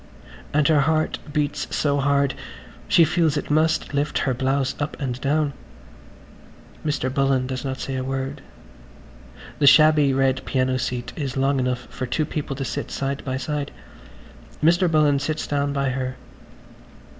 ... And her heart beats so hard she feels it must lift her blouse up and down. Mr. Bullen does not say a word. The shabby red piano seat is long enough for two people to sit side by side. Mr. Bullen sits down by her.